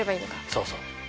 そうそう。